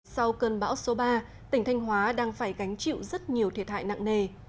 sau cơn bão số ba tỉnh thanh hóa đang phải gánh chịu rất nhiều thiệt hại nặng nề